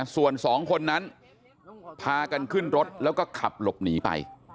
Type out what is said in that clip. ส่วนสองคนนั้นพากันขึ้นรถแล้วก็ขับหลบหนีไป